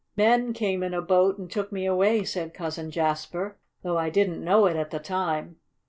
"Men came in a boat and took me away," said Cousin Jasper, "though I didn't know it at the time.